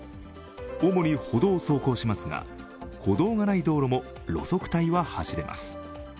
主に歩道を走行しますが歩道がない道路も路側帯は走れます。